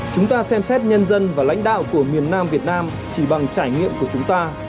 chúng ta xem xét nhân dân và lãnh đạo của miền nam việt nam chỉ bằng trải nghiệm của chúng ta